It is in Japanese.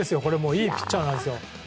いいピッチャーなんです。